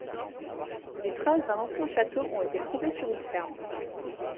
Des traces d'un ancien château ont été trouvées sur une ferme.